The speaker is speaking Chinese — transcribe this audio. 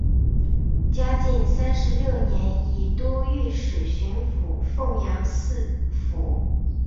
嘉靖三十六年以都御史巡抚凤阳四府。